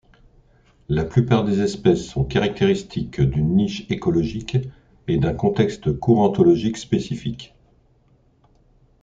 La plupart des espèces sont caractéristiques d’une niche écologique et d’un contexte courantologique spécifique.